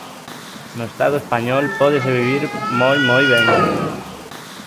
No Estado español pódese vivir moi, moi ben.